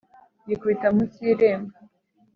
yikubita munsi y'irembo!